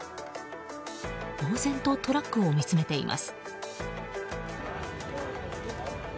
ぼう然とトラックを見つめています。